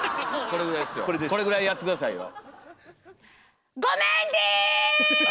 これぐらいやって下さいよ。